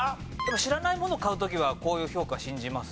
知らないものを買う時はこういう評価信じます。